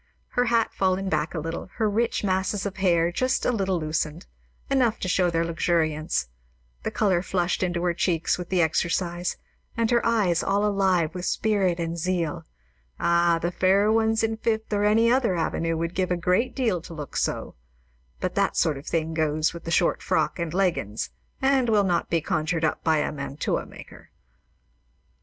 Her hat fallen back a little; her rich masses of hair just a little loosened, enough to show their luxuriance; the colour flushed into her cheeks with the exercise, and her eyes all alive with spirit and zeal ah, the fair ones in Fifth or any other avenue would give a great deal to look so; but that sort of thing goes with the short frock and leggins, and will not be conjured up by a mantua maker.